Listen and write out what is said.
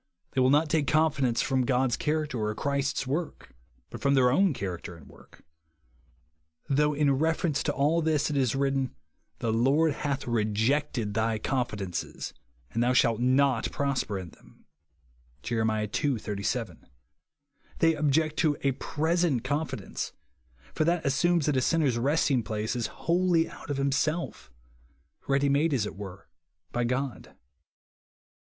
They will not take confidence from God's cliaracter or Christ's work, but from their own character and work ; though in refer ence to all this it is written, "The Lord Jiath rejected thy confidences, and thou shalt not prosper in them," (Jer. ii. 37). They object to a present confidence, for that assumes that a sinner's resting place is wJiolli/ out of himself, — ready made, as it were, by God.